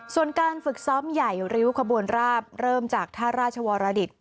ส่วนการฝึกซ้อมใหญ่ริ้วขบวนราบเริ่มจากท่าราชวรดิต